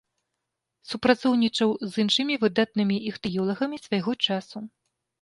Супрацоўнічаў з іншымі выдатнымі іхтыёлагамі свайго часу.